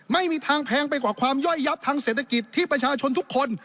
ไม่มีทางแพงไปกว่าความย่อยยับทางเศรษฐกิจที่ประชาชนทุกคน